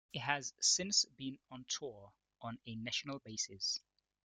It has since been on tour on a national basis.